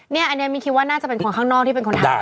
เนี่ยอันนี้มีคิดว่าน่าจะเป็นคนข้างนอกที่เป็นคนอาหารค่ะ